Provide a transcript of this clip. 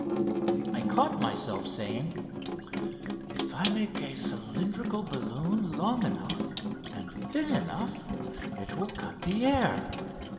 I caught myself saying: "If I make a cylindrical balloon long enough and thin enough it will cut the air